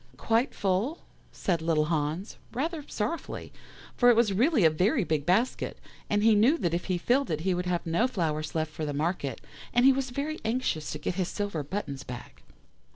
"'Quite full?' said little Hans, rather sorrowfully, for it was really a very big basket, and he knew that if he filled it he would have no flowers left for the market and he was very anxious to get his silver buttons back.